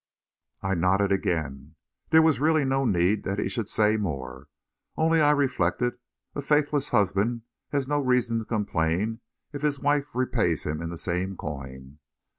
I nodded again; there was really no need that he should say more. Only, I reflected, a faithless husband has no reason to complain if his wife repays him in the same coin!